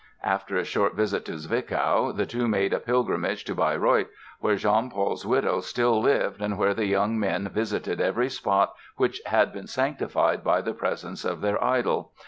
After a short visit to Zwickau the two made a pilgrimage to Bayreuth, where Jean Paul's widow still lived and where the young men visited every spot which had been sanctified by the presence of their idol.